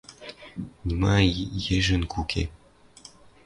Нима ежӹнг уке...